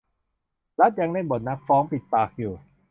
รัฐยังเล่นบทนักฟ้องปิดปากอยู่